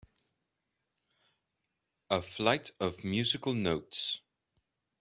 A flight of musical notes.